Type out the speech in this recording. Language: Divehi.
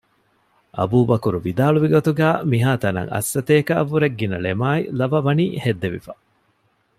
އަބޫބަކުރު ވިދާޅުވި ގޮތުގައި މިހާތަނަށް އަށްސަތޭކަ އަށް ވުރެ ގިނަ ޅެމާއި ލަވަ ވަނީ ހެއްދެވިފަ